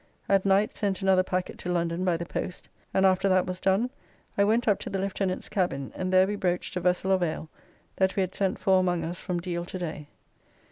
At night sent another packet to London by the post, and after that was done I went up to the lieutenant's cabin and there we broached a vessel of ale that we had sent for among us from Deal to day.